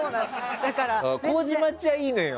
麹町はいいのよ。